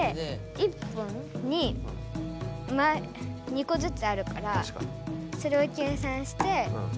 １本に２こずつあるからそれを計算して９０。